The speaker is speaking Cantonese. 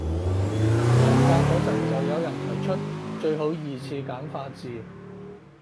文革嗰陣就有人提出最好二次簡化字